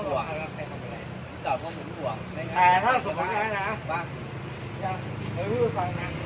ถ้าเจอสมบูรณ์แล้วช่วยพูดฟังหน่อย